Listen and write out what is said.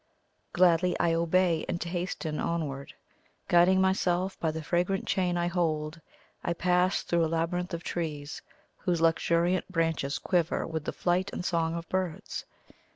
Gladly I obey, and hasten onward. Guiding myself by the fragrant chain I hold, I pass through a labyrinth of trees, whose luxuriant branches quiver with the flight and song of birds.